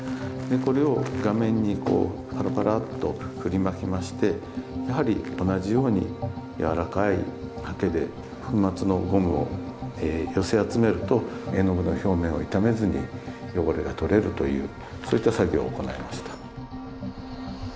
これを画面にこうパラパラッと振りまきましてやはり同じように柔らかいはけで粉末のゴムを寄せ集めると絵の具の表面を傷めずに汚れが取れるというそういった作業を行いました。